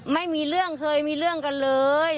ไม่มีเรื่องเคยมีเรื่องกันเลย